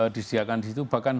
disediakan di situ bahkan